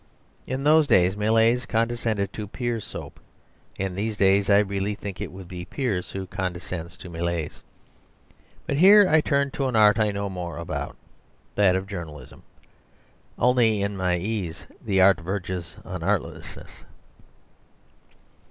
In those days Millais condescended to Pears' soap. In these days I really think it would be Pears who condescended to Millais. But here I turn to an art I know more about, that of journalism. Only in my ease the art verges on artlessness.